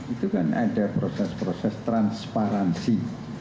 itu kan ada proses proses transparansi